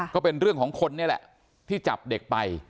ก็เป็นเรื่องของคนนี่แหละที่จับเด็กไป